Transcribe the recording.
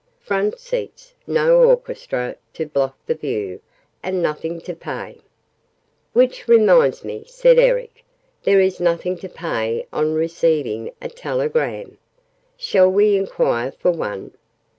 Front seats no orchestra to block the view and nothing to pay!" "Which reminds me," said Eric. "There is nothing to pay on receiving a telegram! Shall we enquire for one?"